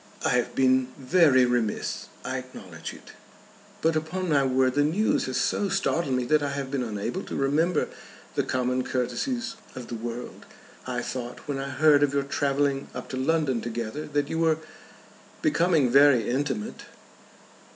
"I have been very remiss. I acknowledge it. But upon my word the news has so startled me that I have been unable to remember the common courtesies of the world. I thought when I heard of your travelling up to London together that you were becoming very intimate."